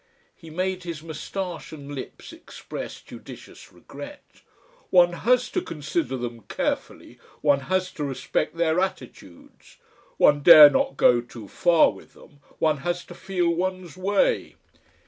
He made his moustache and lips express judicious regret. "One has to consider them carefully, one has to respect their attitudes. One dare not go too far with them. One has to feel one's way."